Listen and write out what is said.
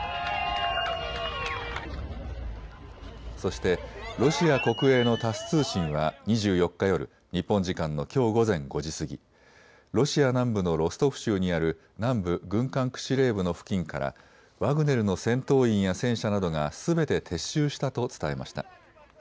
そしてロシア国営のタス通信は２４日夜、日本時間のきょう午前５時過ぎ、ロシア南部のロストフ州にある南部軍管区司令部の付近からワグネルの戦闘員や戦車などがすべて撤収したと伝えました。